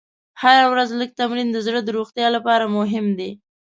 هره ورځ لږ تمرین د زړه د روغتیا لپاره مهم دی.